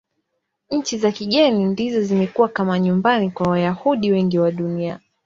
Nchi za kigeni ndizo zimekuwa kama nyumbani kwa Wayahudi wengi wa Dunia.